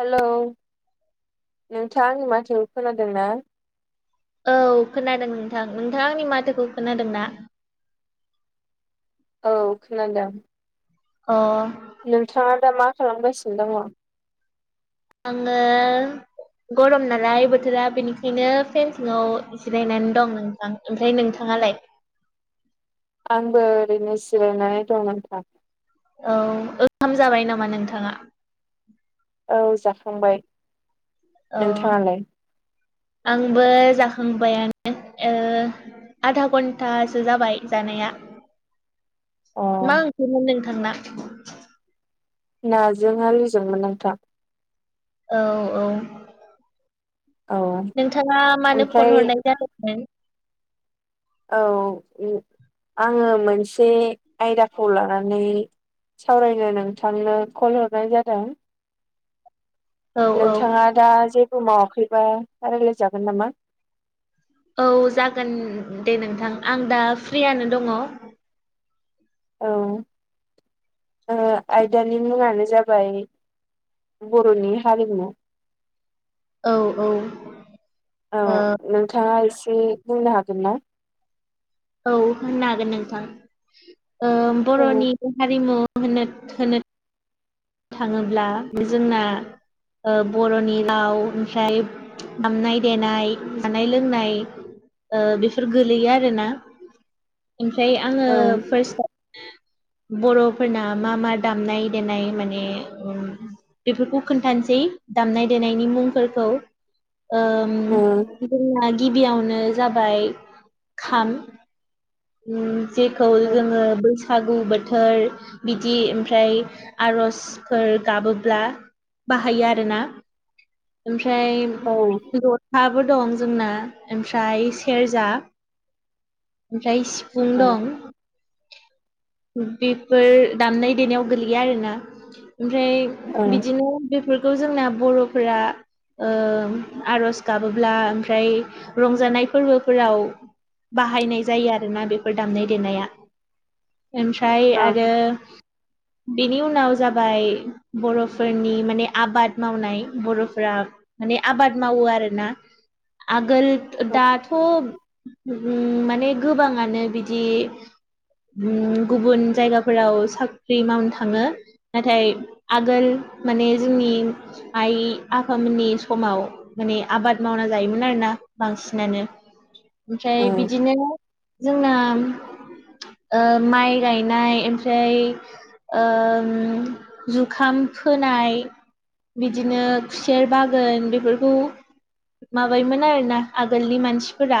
Hello नोंथाङा आंनि माथोखौ खोनादों ना औ खोनादों नोंथां नोंथां आंनि माथोखौ खोनादों ना औ खोनादों अ नोंथाङा दा मा खालामगासिनो दङ आङो गरम नालाय बोथोरा बेनिखायनो फेन सिङाव एसे जिरायनानै दं नोंथां ओमफ्राय नोंथाङालाय आंबो ओरैनो जिरायनानै दं नोंथां औ ओंखाम जाबाय नामा नोंथाङा औ जाखांबाय औ नोंथाङालाय? आंबो जाखांबायानो ओ आधा घन्टासो जाबाय जानाया [inaudible] मा ओंख्रिमोन नोंथांना नाजों आलुजोंमोन नोंथां औ औ औ नोंथाङा मानो फन ओमफ्राय हरनाय जादोंमोन औ आङो मोनसे आयदाखौ लानानै सावरायनो नोंथांनो कल हरनाय जादों औ औ नोंथाङा दा जेबो मावाखैबा रायलायजागोन नामा औ जागोन दे नोंथां आं दा फ्रियानो दङ औ ओ आयदानि मुङानो जाबाय बर'नि हारिमु औ औ औ ओ नोंथाङा एसे बुंनो हागोन ना औ होननो हागोन नोंथां औ बर'नि हारिमु होनो होनो थाङोब्ला बे जोंना ओ बर'नि राव ओमफ्राय दामनाय देनाय जानाय लोंनाय ओ बेफोर गोलैयो आरोना ओमफ्राय आङो औ फार्स्टआव बर'फोरना मा मा दामनाय देनाय माने माने बेफोरखौ खोन्थानोसै दामनाय देनायनि मुंफोरखौ ओम औ जोंना गिबियावनो जाबाय खाम जेखौ औ जोङो बैसागु बैसागु बोथोर बिदि ओमफ्राय आर'ज [unintelligible] गाबोब्ला बाहायो आरोना ओमफ्राय औ जथाबो दं जोंना ओमफ्राय सेरजा ओमफ्राय सिफुं दं औ बेफोर दामनाय देनायाव गोलैया आरोना ओमफ्राय बिदिनो बेफोरखौ जोंना बर'फोरा ओ आर'ज गाबोब्ला ओमफ्राय रंजानाय फोरबोफोराव बाहायनाय जायो आरोना बेफोर दामनाय देनाया ओमफ्राय आरो बेनि उनाव जाबाय बर'फोरनि माने आबाद मावनाय बर'फोरा माने आबाद मावो आरोना आगोल दा खुब माने गोबाङानो बिदि गुबुन जायगाफोराव साख्रि मावनो थाङो नाथाय आगोल माने जोंनि आइ आफामोननि समाव माने आबाद मावना जायोमोन आरोना बांसिनानो ओमफ्राय औ बिदिनो जोंना ओ माइ गायनाय ओमफ्राय ओम जुखाम फोनाय बिदिनो खुसेर बागान बेफोरखौ माबायोन आरो ना आगोलनि मानसिफोरा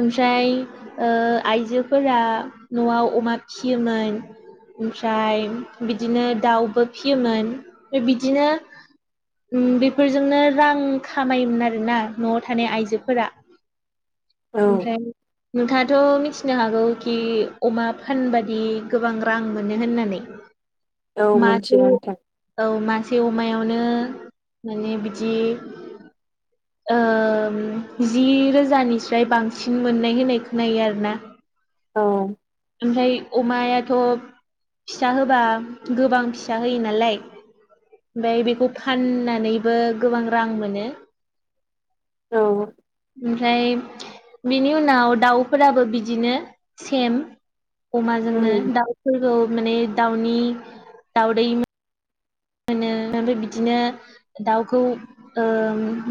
ओमफ्राय ओ आइजोफोरा न'आव अमा फियोमोन ओमफ्राय बिदिनो दाउबो फियोमोन बिदिनो उम बेफोरजोंनो रां खामायोमोन आरोना न'आव थानाय आइजोफोरा औ ओमफ्राय नोंथाङाथ' मिथिनो हागौ खि अमा फानबादि गोबां रां मोनो होननानै औ मिथियो मासे नोंथां औ मासे अमायावनो माने बिदि [inaudible] ओ जि रोजानिफ्राय बांसिन मोननाय होनाय खोनो आरोना औ ओमफ्राय अमायाथ फिसा होबा गोबां फिसा होयो नालाय ओमफाय बेखौ फाननानैबो गोबां रां मोनो औ ओमफ्राय बिनि उनाव दाउफोराबो बिदिनो सेम अमाजोंनो उम दाउफोरखौ माने दाउनि दाउदै मोनो ओमफ्राय बिदिनो दाउखौ ओ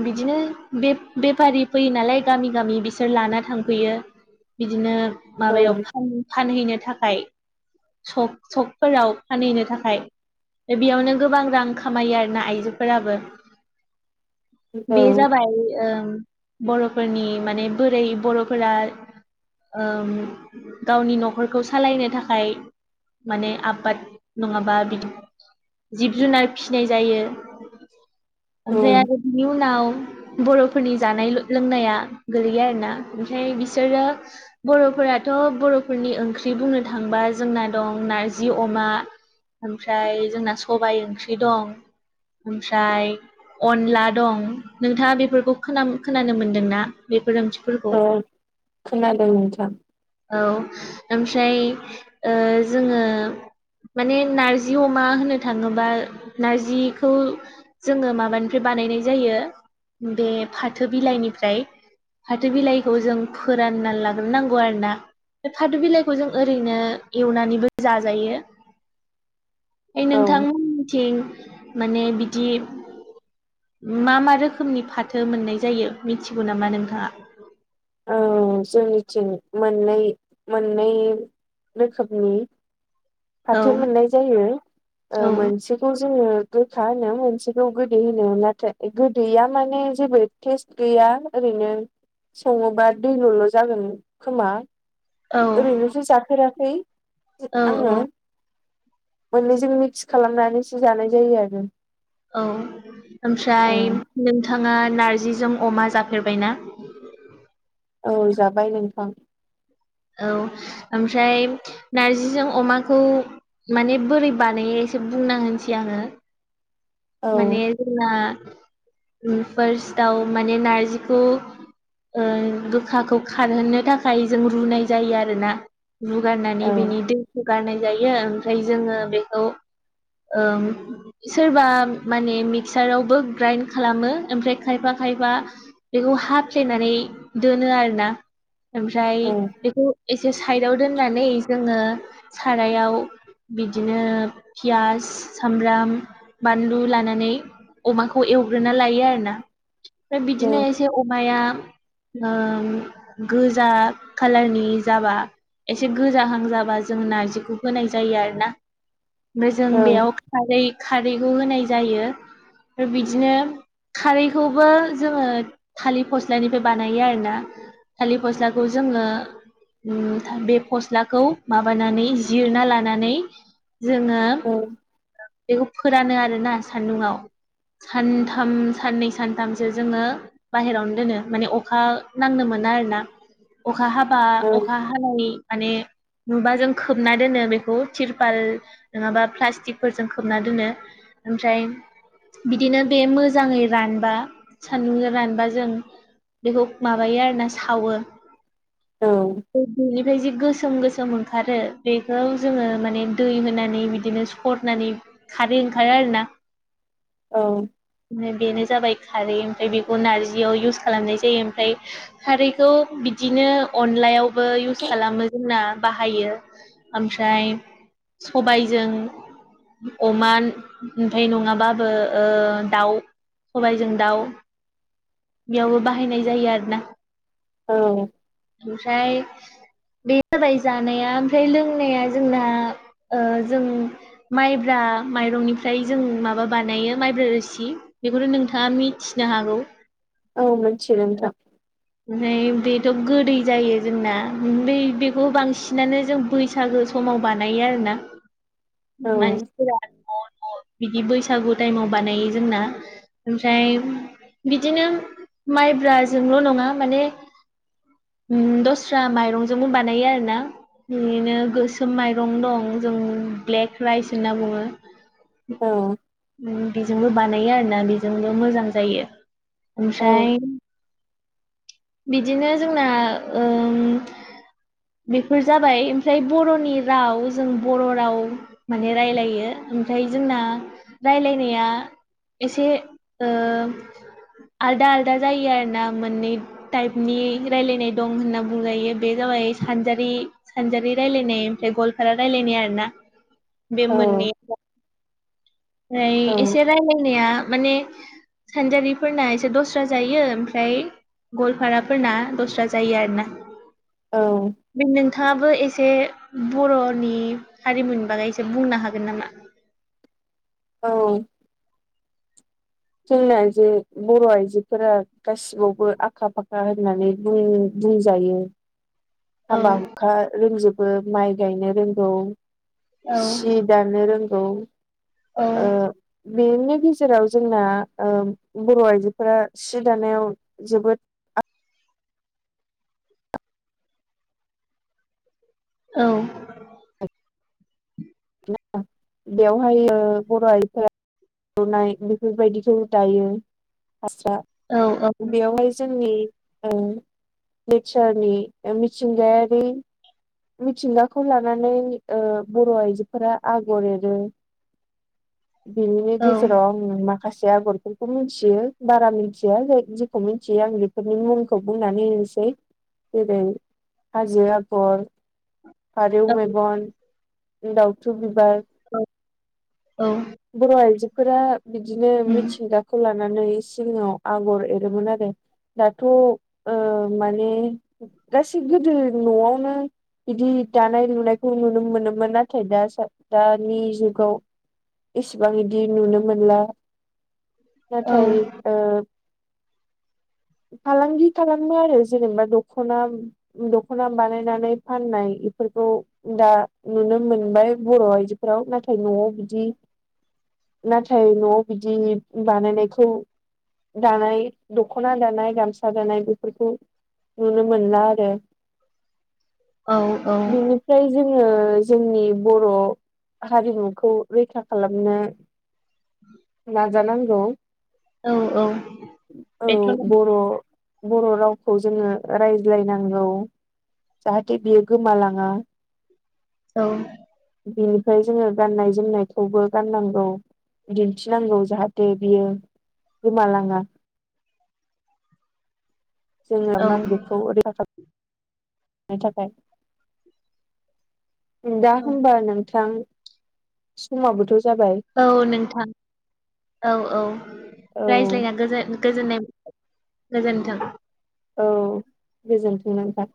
बिदिनो बे बेफारि फैयो नालाय गामि गामि बिसोर लाना थांफैयो बिदिनो औ माबायाव फानो फानहैनो थाखाय सक सकफोराव फानहैनो थाखाय बेयावनो गोबां रां खामायो आरोना आइजोफोराबो बे औ जाबाय ओम बर'फोरनि माने बोरै बर'फोरा ओम गावनि न'खरखौ सालायनो थाखाय माने आबाद नङाबा बिदि जिब जुनार फिनाय जायो ओमफ्राय उम आरो बिनि उनाव बर'फोरनि जानाय लोंनाया गोलैयो आरोना ओमफ्राय बिसोरो बर'फोराथ' बर'फोरनि ओंख्रि बुंनो थांबा जोंना दं नारजि अमा ओमफ्राय जोंना सबाइ ओंख्रि दं ओमफ्राय अनला दं नोंथाङा बेफोरखौ खोना खोनानो मोनदोंना बेफोर ओंख्रिफोरखौ औ खोनादों नोंथां औ ओमफ्राय ओ जोङो माने नारजि अमा होनो थाङोबा नारजिखौ जोङो माबानिफ्राय बानायनाय जायो बे फाथो बिलाइनिफ्राय फाथो बिलाइखौ जों फोरानना लांग्रोनांगौ आरोना बे फाथो बिलाइखौ जों ओरैनो एवनानैबो जाजायो ओमफ्राय [inaudible] नोंथांमोननिथिं माने बिदि मा मा रोखोमनि फाथो मोननाय जायो मिथिगौ नामा नोंथाङा औ जोंनिथिं मोननै मोननै रोखोमनि औ फाथो मोननाय जायो ओ औ मोनसेखौ जोङो गोखा होनो मोनसेखौ गोदै होनो नाथाय गोदैया माने जेबो टेस्ट गैया ओरैनो सङोबा दैल' ल' जागोन खोमा औ ओरैनोथ' जाफेराखै औ आङो औ मोननैजों मिक्स खालामनानैसो जानाय जायो आरो औ ओमफ्राय ओ नोंथाङा नारजिजों अमा जाफेरबाय ना औ जाबाय नोंथां औ ओमफ्राय नारजिजों अमाखौ माने बोरै बानायो एसे बुंना होनोसै आङो औ माने जोंना फार्स्टआव माने नारजिखौ ओ गोखाखौ खारहोनो थाखाय जों रुनाय जायो आरोना रुगारनानै औ बिनि दैखौ गारनाय जायो ओमफ्राय जोङो बेखौ सोरबा माने मिक्सारावबो ग्राइन्ड खालामो ओमफ्राय खायफा खायफा बेखौ हाफ्लेनानै दोनो आरो ना ओमफ्राय औ बेखौ एसे साइडआव दोननानै जोङो सारायाव बिदिनो पियास सामब्राम बान लु लानानै अमाखौ एवग्रोना लायो आरो ना ओमफ्राय बिदिनो एसे अमाया गोजा खालारनि जाबा एसे गोजाहां जाबा जों नार्जिखौ होनाय जायो आरो ना ओमफ्राय औ जों बेयाव खारै खारैखौ होनाय जायो ओमफ्राय बिदिनो खारैखौबो जोङो थालिर फस्लानिफ्राय बानायो आरोना थालिर फस्लाखौ जोङो बे फस्लाखौ माबानानै जिरना लानानै जोङो औ बेखौ फोरानो आरोना सान्दुंआव सानथाम साननै सानथामसो जोङो बाहेरावनो दोनो माने अखा नांनो मोना आरोना अखा हाबा अखा हा नानै माने नुबा जों खोबना दोनो बेखौ तिरपाल नङाबा प्लास्टिकफोरजों खोबना दोनो ओमफ्राय बिदिनो बे मोजाङै रानबा सान्दुंजों रानबा जों बेखौ माबायो आरोना सावो बेनिफ्राय जि गोसोम गोसोम ओंखारो बेखौ जोङो माने दै होनानै बिदिनो सरनानै खारै ओंखारो आरोना औ बेनो जाबाय खारै ओमफ्राय बेखौ नार्जियाव इउस खालामनाय जायो ओमफ्राय खारैखौ बिदिनो अनलायावबो इउस खालामो जोंना बाहायो ओमफ्राय सबायजों अमा ओमफ्राय नङाबाबो ओ दाउ सबायजों दाउ बेयावबो बाहायनाय जायो आरोना औ ओमफ्राय बे जाबाय जानाया ओमफ्राय लोंनाया जोंना ओ जों माइब्रा माइरंनिफ्राय जों माबा बानायो माइब्रा रोसि बेखौनो नोंथाङा मिथिनो हागौ औ मोनथिगोन नोंथां [unintelligible] बेथ' गोदै जायो जोंना बेखौ बांसिनानो जों बैसागो समाव बानायो आरोना [inaudible] औ मानसिफोरा न' न' बिदि बैसागु टाइमाव बानायो जोंना ओमफ्राय बिदिनो माइब्राजोंल' नङा माने ओम दस्रा माइरंजोंबो बानायो आरोना बिदिनो गोसोम माइरं दं जों ब्लेक राइस होनना बुङो औ बेजोंबो बानायो आरोना बेजोंबो मोजां जायो ओमफ्राय औ बिदिनो जोंना ओम बेफोर जाबाय ओमफ्राय बर'नि राव जों बर' राव माने रायलायो ओमफ्राय जोंना रायलायनाया एसे ओ आलदा आलदा जायो आरोना मोननै टाइपनि रायलायनाय दं होनना बुंजायो बे जाबाय सानजारि सानजारि रायजलायनाय ओमफ्राय गवाफारा रायलायनाय आरोना बे मोननै ओमफ्राय औ एसे रायलायनाया माने सानजारिफोरना एसे दस्रा जायो ओमफ्राय गलफाराफोरना दस्रा जायो आरोना औ बे नोंथांङाबो एसे बर'नि हारिमुनि बागै एसे बुंनो हागोन नामा? औ जोंना जे बर' आइजोफोरा गासिबावबो आखा फाखा होननानै बुं बुंजायो औ हाबा हुखा रोंजोबो माइ गायनो रोंगौ औ सिब दानो रोंगौ औ बेनि गेजेराव जोंना बर' आइजोफोरा सि दानायाव जोबोद औ बेवहायो बर' आइफोरा गुरनाय बेफोरबायदिखौ दायो फास्रा औ बेवहाय जोंनि [unintelligible] मिथिंगायारि मिथिंगाखौ लानानै बर' आइजोफोरा आगर एरो बेनिनो औ गेजेराव माखासे आगरफोरखौ मिथियो बारा मिथिया जाय जेखौ मिथियो आं बेफोरनि मुंखौ बुंनानै होनसै जेरै हाजो आगर फारौव औ मेगन दाउथुब बिबार औ-औ बर' आइजोफोरा बिदिनो उम मिथिंगा खौ लानानै सिगांङाव आगर एरोमोन आरो दाथ' माने गासै गोदो न'आवनो बिदि दानाय लुनायखौ नुनो मोनोमोन नाथाय दा दानि जुगाव इसेबां इदि नुनो मोनला औ नाथाय फालांगि खालामो आरो जेनेबा दख'ना दख'ना बानायनानै फाननाय बेफोरखौ दा नुनो मोनबाय बर' आइजोफोराव नाथाय न'आव बिदि नाथाय न'आव बिदि बानायनायखौ दानाय दख'ना दानाय गामसा दानाय बेफोरखौ नुनो मोनला आरो औ औ फ्राय जोंङो जोंनि बर' हारिमुखौ रैखा खालामनो नाजानांगौ औ-औ औ बेथ' नं बर' बर' रावखौ जोंङो रायज्लायनांगौ जाहाथे बियो गोमालांङा औ बिनिफ्राय जोंङो गाननाय जोमनायखौबो गाननांगौ दिन्थिनांगौ जाहाथे बियो गोमालांङा। जोंङो नो औ नांगौ बेखौ रैखा खालामनो थाखाय दा होमबा नोंथां समाबोथ' जाबाय औ नोंथां औ औ औ रायज्लायना गोजोन गोजोननाय गोजोन्थों औ गोजोनथों नोंथां